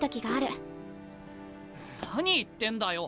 何言ってんだよ。